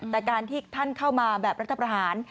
แต่การที่ท่านเข้ามาแบบรัฐประหาร